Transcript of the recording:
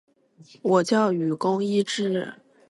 我叫雨宫伊织！